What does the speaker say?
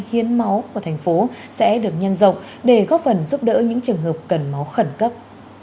hiến máu của thành phố sẽ được nhân rộng để góp phần giúp đỡ những trường hợp cần máu khẩn cấp